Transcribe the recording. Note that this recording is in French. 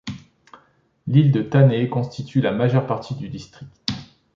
L'île de Thanet constitue la majeure partie du district.